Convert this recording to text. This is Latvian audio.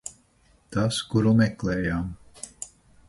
Tas, kuru meklējām.